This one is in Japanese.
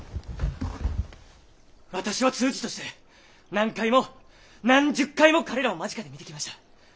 私は通詞として何回も何十回も彼らを間近で見てきました。